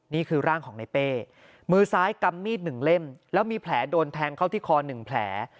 นี่คือร่างของในเป้มือซ้ายกำมีด๑เล่มแล้วมีแผลโดนแทงเข้าที่คอ๑แผล